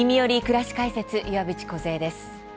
くらし解説」岩渕梢です。